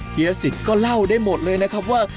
เฮียสิทธิ์ก็เล่าได้หมดเลยนะครับว่า